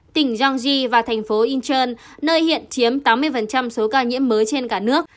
tỉnh jeanji và thành phố incheon nơi hiện chiếm tám mươi số ca nhiễm mới trên cả nước